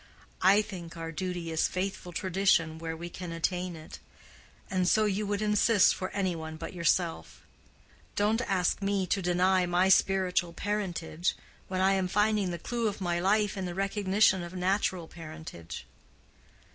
I think our duty is faithful tradition where we can attain it. And so you would insist for any one but yourself. Don't ask me to deny my spiritual parentage, when I am finding the clue of my life in the recognition of natural parentage."